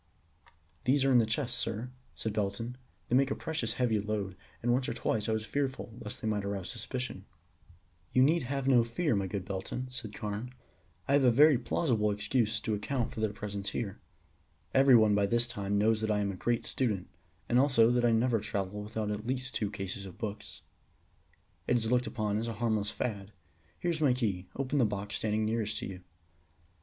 "They are in these chests, sir," said Belton. "They make a precious heavy load, and once or twice I was fearful lest they might arouse suspicion." "You need have no fear, my good Belton," said Carne. "I have a very plausible excuse to account for their presence here. Everyone by this time knows that I am a great student, and also that I never travel without at least two cases of books. It is looked upon as a harmless fad. Here is my key. Open the box standing nearest to you."